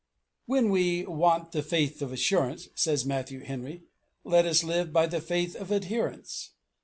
"When we want the faith of assurance," says Matthew Henry, "let us live by the faith of adherence."